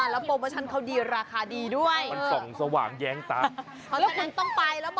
แล้วพบกันที่ร้านโอซาก้าติมซัมทะเล